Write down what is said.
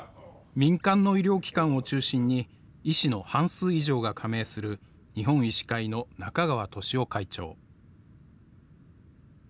民間の医療機関を中心に医師の半数以上が加盟する日本医師会の中川俊男会長。